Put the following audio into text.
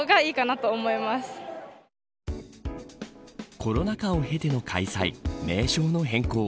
コロナ禍を経ての開催名称の変更。